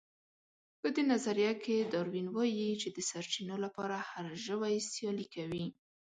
په دې نظريه کې داروېن وايي چې د سرچينو لپاره هر ژوی سيالي کوي.